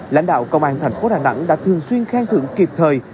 lãnh đạo công an thành phố đà nẵng đã thường xuyên khen thưởng kịp thời